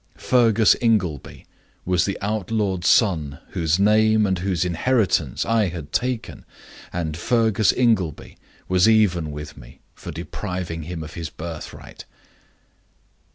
Fergus Ingleby was the outlawed son whose name and whose inheritance I had taken. And Fergus Ingleby was even with me for depriving him of his birthright.